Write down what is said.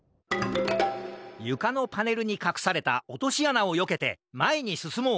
ゆかのパネルにかくされたおとしあなをよけてまえにすすもう！